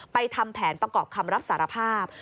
ทำแผนประกอบคำรับสารภาพ